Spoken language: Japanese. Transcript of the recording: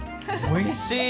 おいしい！